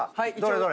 どれ？